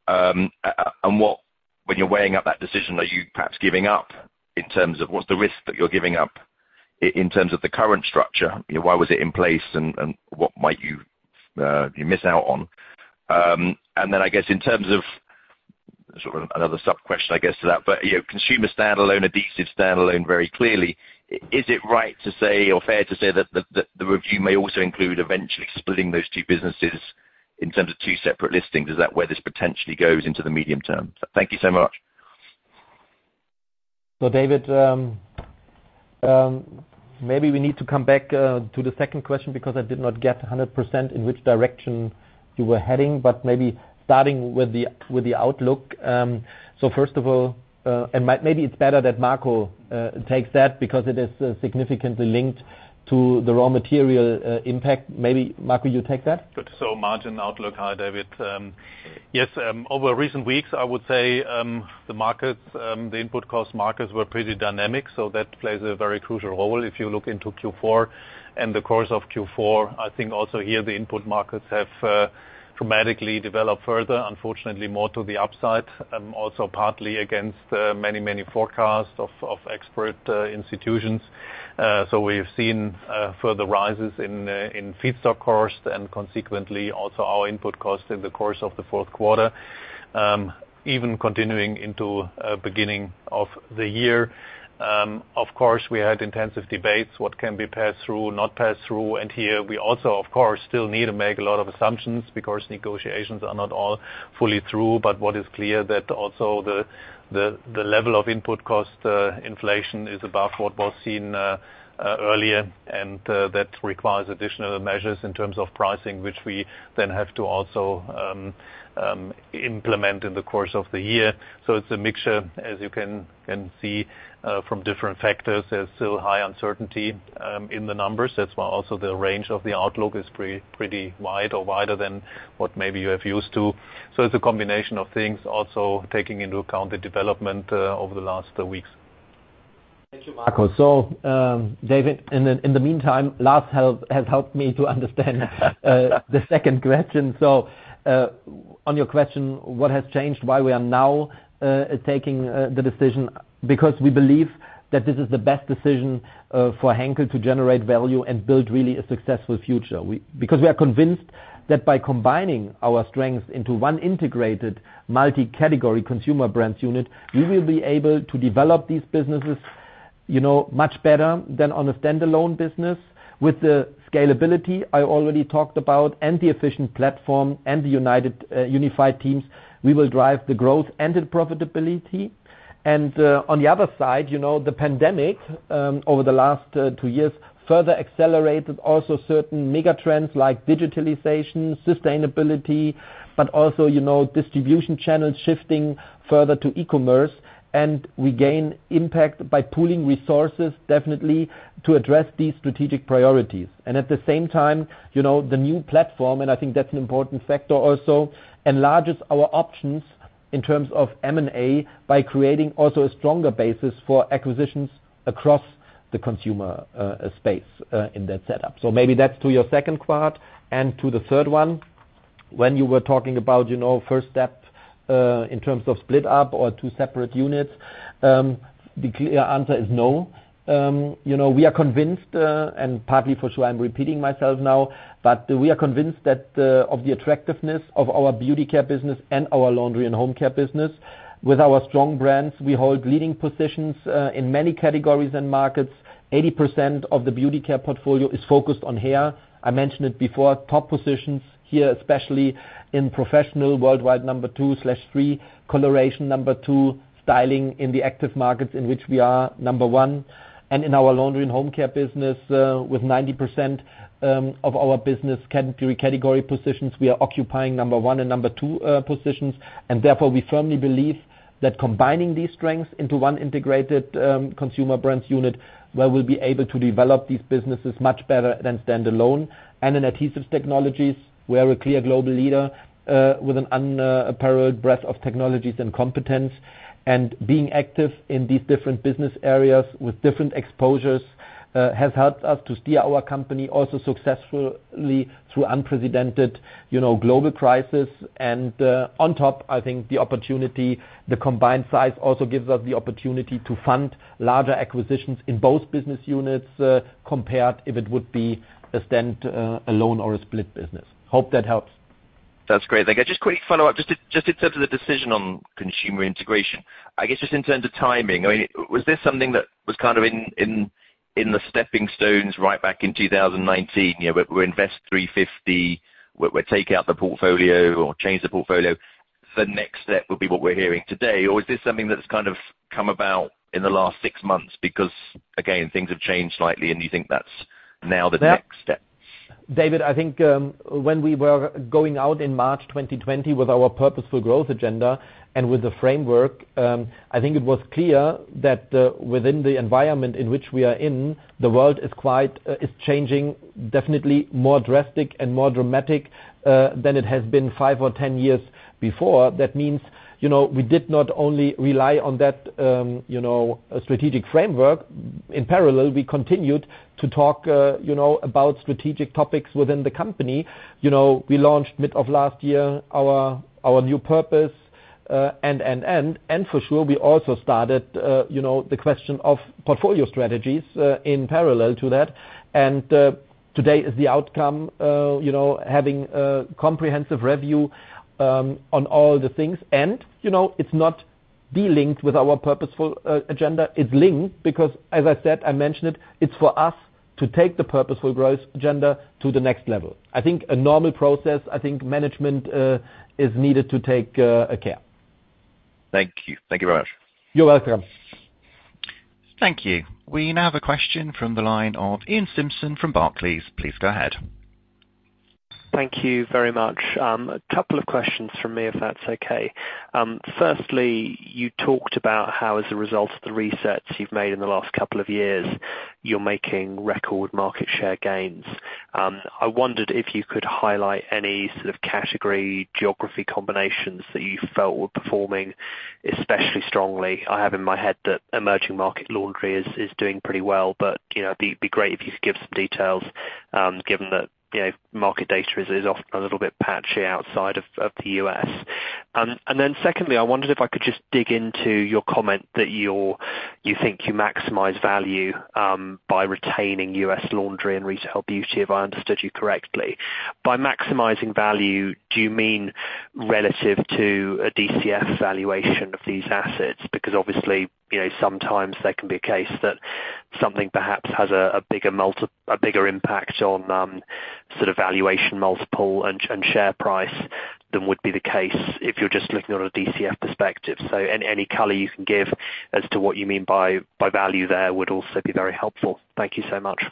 When you're weighing up that decision, are you perhaps giving up in terms of what's the risk that you're giving up in terms of the current structure? You know, why was it in place and what might you miss out on? I guess in terms of sort of another sub question, I guess, to that, but you know, Consumer standalone, Adhesive standalone very clearly. Is it right to say or fair to say that the review may also include eventually splitting those two businesses in terms of two separate listings? Is that where this potentially goes into the medium term? Thank you so much. David, maybe we need to come back to the second question because I did not get 100% in which direction you were heading, but maybe starting with the outlook. First of all, maybe it's better that Marco takes that because it is significantly linked to the raw material impact. Maybe, Marco, you take that? Good. Margin outlook. Hi, David. Yes, over recent weeks, I would say, the markets, the input cost markets were pretty dynamic, so that plays a very crucial role if you look into Q4 and the course of Q4. I think also here the input markets have dramatically developed further, unfortunately more to the upside, also partly against many, many forecasts of expert institutions. So we've seen further rises in feedstock cost and consequently also our input cost in the course of the fourth quarter, even continuing into beginning of the year. Of course, we had intensive debates, what can be passed through, not passed through. Here we also, of course, still need to make a lot of assumptions because negotiations are not all fully through. What is clear is that also the level of input cost inflation is above what was seen earlier, and that requires additional measures in terms of pricing, which we then have to also implement in the course of the year. It's a mixture, as you can see from different factors. There's still high uncertainty in the numbers. That's why also the range of the outlook is pretty wide or wider than what maybe you have used to. It's a combination of things also taking into account the development over the last weeks. Thank you, Marco. David, in the meantime, Lars has helped me to understand the second question. On your question, what has changed, why we are now taking the decision, because we believe that this is the best decision for Henkel to generate value and build really a successful future. Because we are convinced that by combining our strengths into one integrated multi-category Consumer Brands unit, we will be able to develop these businesses, you know, much better than on a standalone business. With the scalability I already talked about, and the efficient platform and the unified teams, we will drive the growth and the profitability. On the other side, you know, the pandemic over the last two years further accelerated also certain mega trends like digitalization, sustainability, but also, you know, distribution channels shifting further to e-commerce. We gain impact by pooling resources, definitely, to address these strategic priorities. At the same time, you know, the new platform, and I think that's an important factor also, enlarges our options in terms of M&A by creating also a stronger basis for acquisitions across the consumer space in that setup. Maybe that's to your second part and to the third one. When you were talking about, you know, first step in terms of split up or two separate units, the clear answer is no. You know, we are convinced, and partly for sure I'm repeating myself now, but we are convinced that of the attractiveness of our Beauty Care business and our Laundry & Home Care business. With our strong brands, we hold leading positions in many categories and markets. 80% of the Beauty Care portfolio is focused on hair. I mentioned it before, top positions here, especially in professional worldwide number 2/3, coloration number two, styling in the active markets in which we are number one. In our Laundry & Home Care business, with 90% of our business category positions, we are occupying number one and number two positions. Therefore, we firmly believe that combining these strengths into one integrated Consumer Brands unit, where we'll be able to develop these businesses much better than standalone. In Adhesive Technologies, we're a clear global leader with an unparalleled breadth of technologies and competence. Being active in these different business areas with different exposures has helped us to steer our company also successfully through unprecedented, you know, global crisis. On top, I think the opportunity, the combined size also gives us the opportunity to fund larger acquisitions in both business units compared if it would be a standalone or a split business. Hope that helps. That's great. Thank you. Just quick follow-up, just in terms of the decision on consumer integration. I guess just in terms of timing, I mean, was this something that was kind of in the stepping stones right back in 2019? You know, we'll invest 350 million, we're taking out the portfolio or change the portfolio. The next step will be what we're hearing today. Or is this something that's kind of come about in the last six months? Because, again, things have changed slightly, and you think that's now the next step. David, I think, when we were going out in March 2020 with our Purposeful Growth agenda and with the framework, I think it was clear that, within the environment in which we are in, the world is quite, is changing definitely more drastic and more dramatic, than it has been five or 10 years before. That means, you know, we did not only rely on that, you know, strategic framework. In parallel, we continued to talk, you know, about strategic topics within the company. You know, we launched mid of last year our new purpose, and for sure, we also started, you know, the question of portfolio strategies, in parallel to that. Today is the outcome, you know, having a comprehensive review, on all the things. You know, it's not delinked with our Purposeful agenda. It's linked because as I said, I mentioned it's for us to take the Purposeful Growth agenda to the next level. I think a normal process, I think management is needed to take care. Thank you. Thank you very much. You're welcome. Thank you. We now have a question from the line of Iain Simpson from Barclays. Please go ahead. Thank you very much. A couple of questions from me, if that's okay. Firstly, you talked about how as a result of the resets you've made in the last couple of years, you're making record market share gains. I wondered if you could highlight any sort of category geography combinations that you felt were performing especially strongly. I have in my head that emerging market laundry is doing pretty well, but you know, it'd be great if you could give some details, given that you know, market data is often a little bit patchy outside of the U.S. Secondly, I wondered if I could just dig into your comment that you think you maximize value by retaining U.S. laundry and retail beauty, if I understood you correctly. By maximizing value, do you mean relative to a DCF valuation of these assets? Because obviously, you know, sometimes there can be a case that something perhaps has a bigger multiple, a bigger impact on sort of valuation multiple and share price than would be the case if you're just looking at a DCF perspective. So any color you can give as to what you mean by value there would also be very helpful. Thank you so much.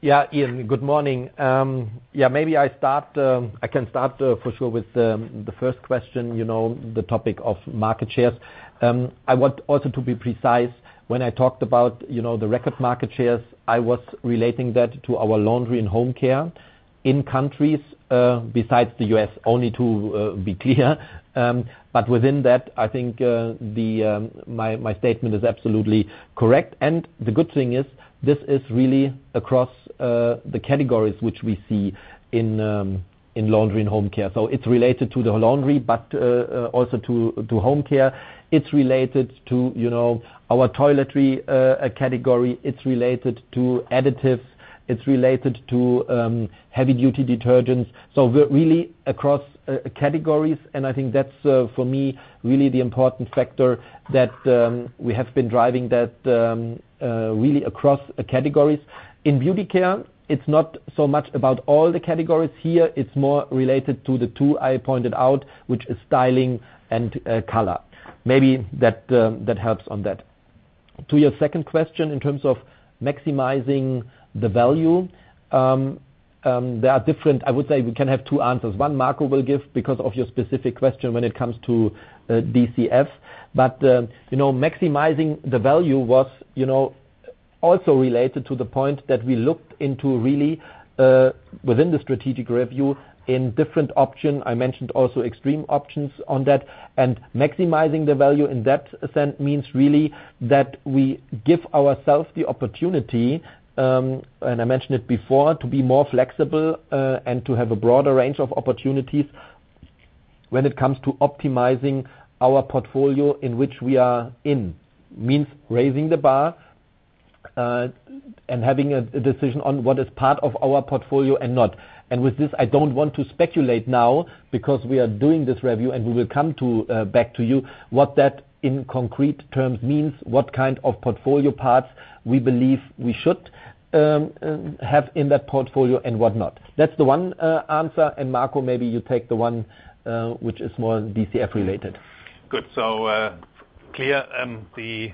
Yeah. Iain, good morning. I can start for sure with the first question, you know, the topic of market shares. I want also to be precise, when I talked about, you know, the record market shares, I was relating that to our Laundry & Home Care in countries besides the U.S., only to be clear. Within that, I think my statement is absolutely correct. The good thing is this is really across the categories which we see in Laundry & Home Care. It's related to the laundry, but also to home care. It's related to, you know, our toiletries category. It's related to additives. It's related to heavy-duty detergents. We're really across categories, and I think that's for me really the important factor that we have been driving that really across categories. In Beauty Care, it's not so much about all the categories here, it's more related to the two I pointed out, which is styling and color. Maybe that helps on that. To your second question, in terms of maximizing the value, there are different. I would say we can have two answers. One Marco will give because of your specific question when it comes to DCF. But you know, maximizing the value was you know also related to the point that we looked into really within the strategic review in different options. I mentioned also extreme options on that. Maximizing the value in that sense means really that we give ourselves the opportunity, and I mentioned it before, to be more flexible, and to have a broader range of opportunities when it comes to optimizing our portfolio in which we are in. Means raising the bar, and having a decision on what is part of our portfolio and not. With this, I don't want to speculate now because we are doing this review, and we will come back to you what that in concrete terms means, what kind of portfolio parts we believe we should have in that portfolio and whatnot. That's the one answer, and Marco, maybe you take the one which is more DCF related. Good. Clear, the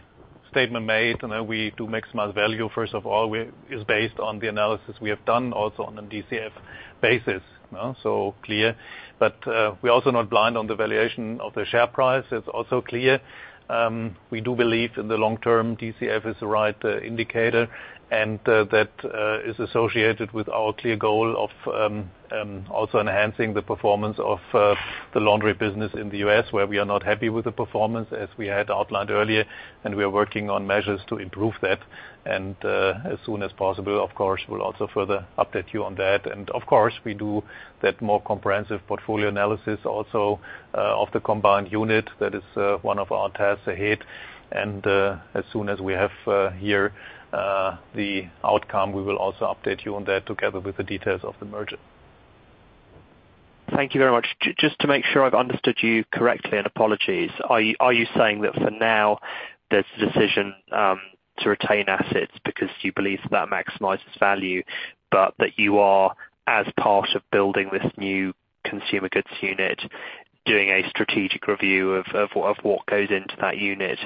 statement made and that we do maximize value first of all is based on the analysis we have done also on a DCF basis. You know, clear. We're also not blind on the valuation of the share price. It's also clear. We do believe in the long term, DCF is the right indicator, and that is associated with our clear goal of also enhancing the performance of the laundry business in the U.S. where we are not happy with the performance as we had outlined earlier, and we are working on measures to improve that. As soon as possible, of course, we'll also further update you on that. Of course, we do that more comprehensive portfolio analysis also of the combined unit. That is one of our tasks ahead. As soon as we have here the outcome, we will also update you on that together with the details of the merger. Thank you very much. Just to make sure I've understood you correctly, and apologies, are you saying that for now, there's a decision to retain assets because you believe that maximizes value, but that you are as part of building this new consumer goods unit, doing a strategic review of what goes into that unit,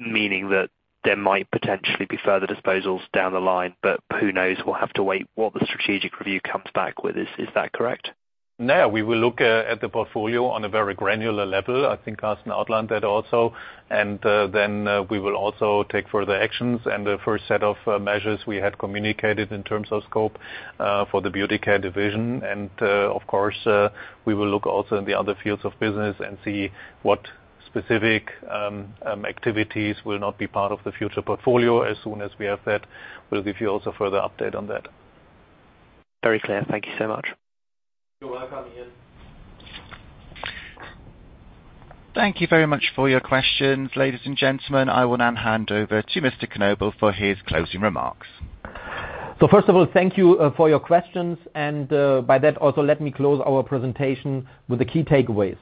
meaning that there might potentially be further disposals down the line, but who knows? We'll have to wait what the strategic review comes back with. Is that correct? No, we will look at the portfolio on a very granular level. I think Carsten outlined that also. We will also take further actions. The first set of measures we had communicated in terms of scope for the Beauty Care division. Of course, we will look also in the other fields of business and see what specific activities will not be part of the future portfolio. As soon as we have that, we'll give you also further update on that. Very clear. Thank you so much. You're welcome, Iain. Thank you very much for your questions, ladies and gentlemen. I will now hand over to Mr. Knobel for his closing remarks. First of all, thank you for your questions. By that also let me close our presentation with the key takeaways.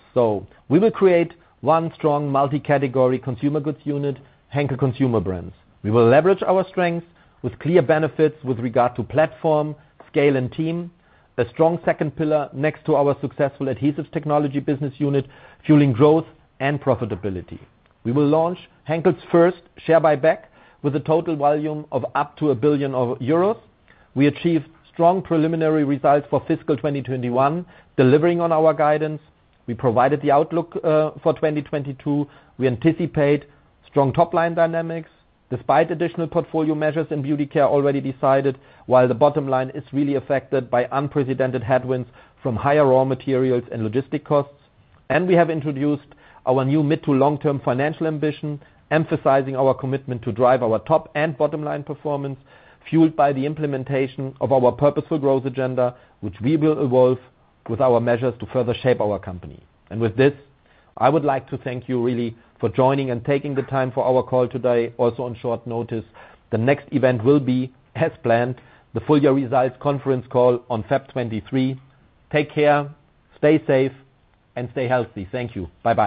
We will create one strong multi-category consumer goods unit, Henkel Consumer Brands. We will leverage our strengths with clear benefits with regard to platform, scale and team. A strong second pillar next to our successful Adhesive Technologies business unit, fueling growth and profitability. We will launch Henkel's first share buyback with a total volume of up to 1 billion euros. We achieved strong preliminary results for fiscal 2021, delivering on our guidance. We provided the outlook for 2022. We anticipate strong top-line dynamics despite additional portfolio measures in Beauty Care already decided, while the bottom line is really affected by unprecedented headwinds from higher raw materials and logistics costs. We have introduced our new mid- to long-term financial ambition, emphasizing our commitment to drive our top- and bottom-line performance, fueled by the implementation of our Purposeful Growth agenda, which we will evolve with our measures to further shape our company. With this, I would like to thank you really for joining and taking the time for our call today, also on short notice. The next event will be, as planned, the full-year results conference call on February 23. Take care, stay safe, and stay healthy. Thank you. Bye-bye.